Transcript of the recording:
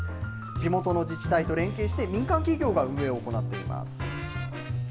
地元の自治体と連携して民間企業が運営を行っています。